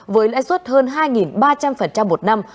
với lãi suất hơn hai ba trăm linh một năm